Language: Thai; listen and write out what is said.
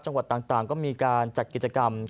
จังหวัดต่างก็มีการจัดกิจกรรม